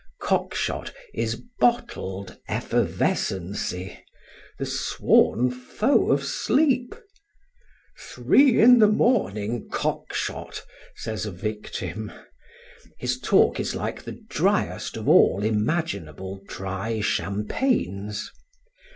Cockshot is bottled effervescency, the sworn foe of sleep. Three in the morning Cockshot, says a victim. His talk is like the driest of all imaginable dry champagnes.